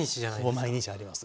ほぼ毎日あります。